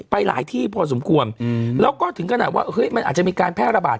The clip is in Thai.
ไปหลายที่พอสมควรแล้วก็ถึงขนาดว่าเฮ้ยมันอาจจะมีการแพร่ระบาด